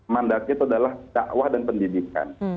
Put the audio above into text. mandatnya itu adalah dakwah dan pendidikan